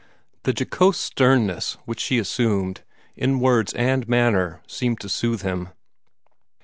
The jocose sternness which she assumed, in words and manner, seemed to soothe him.